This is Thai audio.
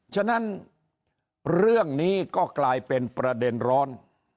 ฉะนั้นเรื่องนี้ก็กลายเป็นประเด็นร้อน